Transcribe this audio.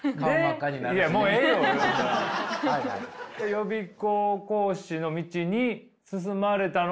予備校講師の道に進まれたのは？